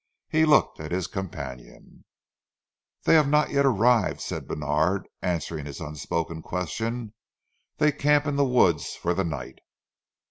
He looked at his companion. "Dey haf not yet arrive," said Bènard, answering his unspoken question. "Dey camp in zee woods for zee night."